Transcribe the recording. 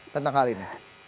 tentang hal ini